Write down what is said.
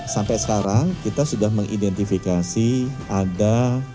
sampai sekarang kita sudah mengidentifikasi ada dua ratus